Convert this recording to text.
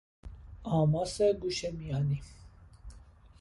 آماس گوش میانی